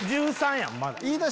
１３やまだ。